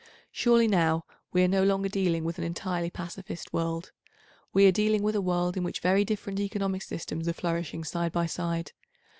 Surely now, we are no longer dealing with an entirely pacifist world. We are dealing with a world in which very different economic systems are flourishing side by side.